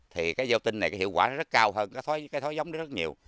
thì cái gieo tinh này hiệu quả rất cao hơn cái thói giống rất nhiều